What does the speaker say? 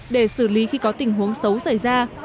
để xử lý khi có tình huống xấu xảy ra